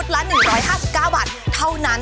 ละ๑๕๙บาทเท่านั้น